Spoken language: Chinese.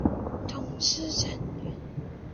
统制陈宧。